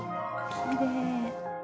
きれい。